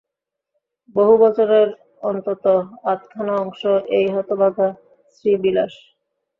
বহুবচনের অন্তত আধখানা অংশ এই হতভাগা শ্রীবিলাস।